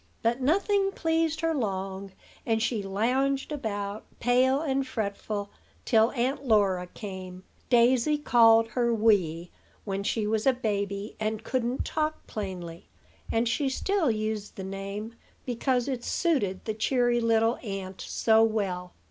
But nothing pleased her long; and she lounged about, pale and fretful, till Aunt Laura came. Daisy called her "Wee" when she was a baby, and couldn't talk plainly; and she still used the name because it suited the cheery little aunt so well.